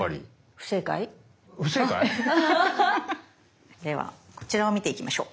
不正解？ではこちらを見ていきましょう。